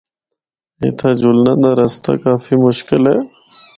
اِتھا جلنا دا رستہ کافی مشکل اے۔